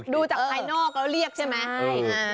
ดูจากภายนอกแล้วเรียกใช่ไหม